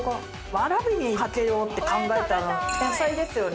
わらびにかけようって考えたの天才ですよね。